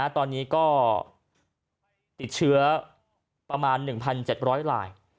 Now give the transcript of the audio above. ตอนนี้ก็ติดเชื้อประมาณ๑๗๐๐ลาย